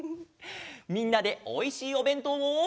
みんなでおいしいおべんとうを。